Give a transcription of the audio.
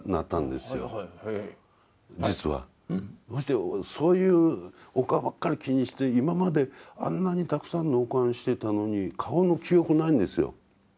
そしてそういうお顔ばっかり気にして今まであんなにたくさん納棺してたのに顔の記憶ないんですよ。